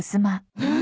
うん？